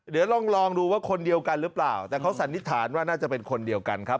เดี๋ยวลองดูว่าคนเดียวกันหรือเปล่าแต่เขาสันนิษฐานว่าน่าจะเป็นคนเดียวกันครับ